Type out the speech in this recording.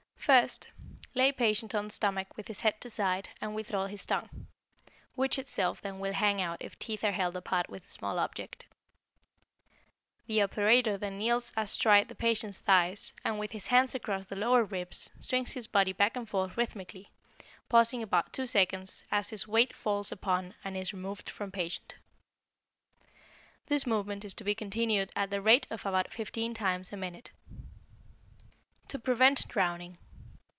First Lay patient on stomach with his head to side and withdraw his tongue, which itself then will hang out if teeth are held apart with small object. The operator then kneels astride the patient's thighs and with his hands across the lower ribs swings his body back and forth rhythmically, pausing about two seconds as his weight falls upon and is removed from patient. This movement is to be continued at the rate of about fifteen times a minute. =To Prevent Drowning.